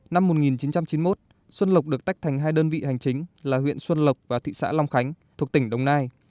năm một nghìn chín trăm chín mươi một xuân lộc được tách thành hai đơn vị hành chính là huyện xuân lộc và thị xã long khánh thuộc tỉnh đồng nai